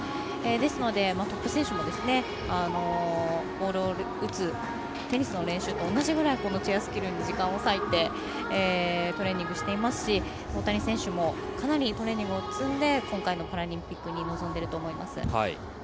ですので、トップ選手もボールを打つテニスの練習と同じくらいチェアスキルに時間を割いてトレーニングしていますし大谷選手もかなりトレーニングを積んで今回のパラリンピックに臨んでると思います。